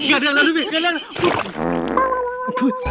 เกิดเรื่องแล้วลูกพี่เกิดเรื่องแล้ว